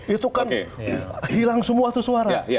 itu kan hilang semua itu suara